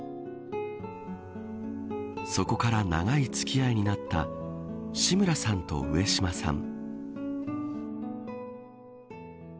そこから長い付き合いになった志村さんと上島さん。